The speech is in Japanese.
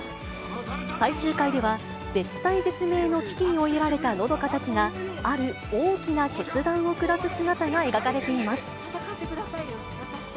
最終回では、絶体絶命の危機に追いやられた和佳たちが、ある大きな決断を下す姿が描かれています。